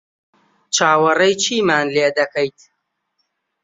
چاوەڕێی چیمان لێ دەکەیت؟